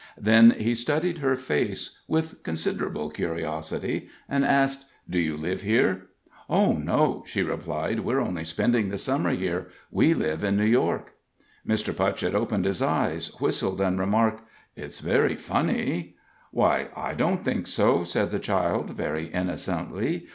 Then he studied her face with considerable curiosity, and asked: "Do you live here?" "Oh, no," she replied; "we're only spending the Summer here. We live in New York." Mr. Putchett opened his eyes, whistled, and remarked: "It's very funny." "Why, I don't think so," said the child, very innocently.